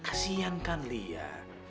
kasian kan lia